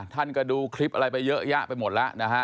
ท่านก็ดูคลิปอะไรไปเยอะแยะไปหมดแล้วนะฮะ